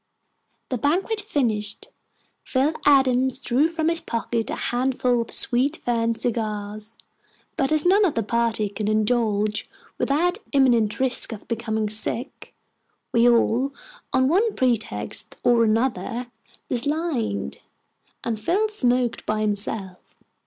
The banquet finished, Phil Adams drew from his pocket a handful of sweet fern cigars; but as none of the party could indulge without imminent risk of becoming sick, we all, on one pretext or another, declined, and Phil smoked by himself.